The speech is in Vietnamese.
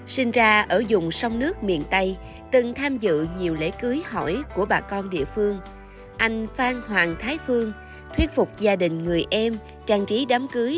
sinh ra ở dùng sông nước miền tây từng tham dự nhiều lễ cưới hỏi của bà con địa phương anh phan hoàng thái phương thuyết phục gia đình người em trang trí đám cưới